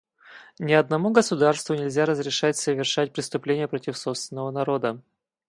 Ни одному государству нельзя разрешать совершать преступления против собственного народа.